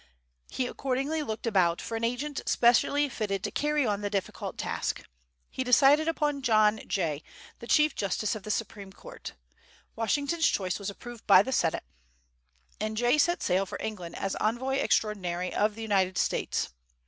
He accordingly looked about for an agent specially fitted to carry on the difficult task. He decided upon John Jay, the Chief Justice of the Supreme Court. Washington's choice was approved by the Senate, and Jay set sail for England as envoy extraordinary of the United States.